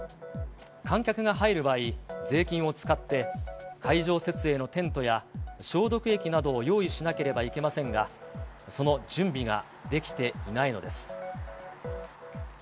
観客が入る場合、税金を使って、会場設営のテントや、消毒液などを用意しなければいけませんが、その準備ができていないのです。